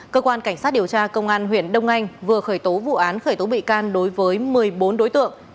cơ quan cảnh sát điều tra công an huyện đông anh vừa khởi tố vụ án khởi tố bị can đối với một mươi bốn đối tượng